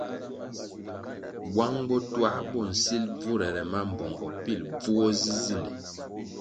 Bwang botuā bo nsil bvurere mambpongo pilʼ bvuo zi zinde.